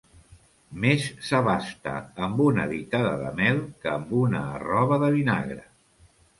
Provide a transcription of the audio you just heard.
Més s'abasta amb una ditada de mel que amb una arrova de vinagre.